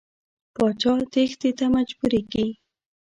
پاچا تېښتې ته مجبوریږي.